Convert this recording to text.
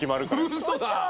ウソだ！